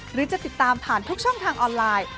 หรือจะติดตามผ่านทุกช่องทางออนไลน์